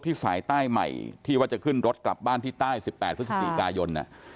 สายใต้ใหม่ที่ว่าจะขึ้นรถกลับบ้านที่ใต้๑๘พฤศจิกายน